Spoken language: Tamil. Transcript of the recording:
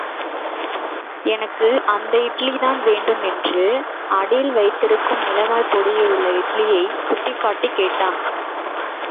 எனக்கு அந்த இட்லிதான் வேண்டும் என்று அடியில் வைத்திருக்கும் மிளகாய் பொடியுள்ள இட்லியை சுட்டிக் காட்டிக் கேட்டான்.